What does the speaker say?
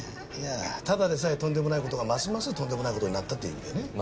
いやあただでさえとんでもない事がますますとんでもない事になったって意味でね。